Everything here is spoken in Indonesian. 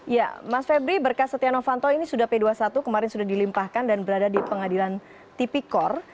ya mas febri berkas setia novanto ini sudah p dua puluh satu kemarin sudah dilimpahkan dan berada di pengadilan tipikor